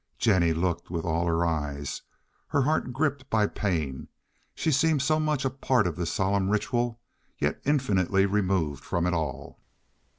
Jennie looked with all her eyes, her heart gripped by pain. She seemed so much a part of this solemn ritual, and yet infinitely removed from it all.